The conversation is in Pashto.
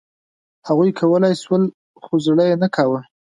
هغوی کولای شول، خو زړه یې نه کاوه.